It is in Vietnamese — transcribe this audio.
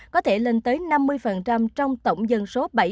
có thể lên tới năm mươi trong tổng dân số bảy